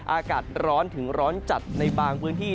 อากาศร้อนถึงร้อนจัดในบางพื้นที่